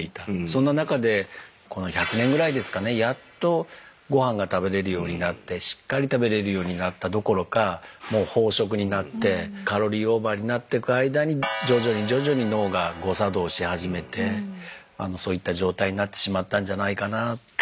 そんな中でこの１００年ぐらいですかねやっとごはんが食べれるようになってしっかり食べれるようになったどころかもう飽食になってカロリーオーバーになっていく間に徐々に徐々に脳が誤作動し始めてそういった状態になってしまったんじゃないかなと。